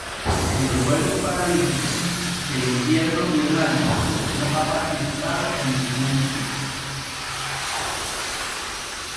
En los Juegos Paralímpicos de Invierno Irlanda no ha participado en ninguna edición.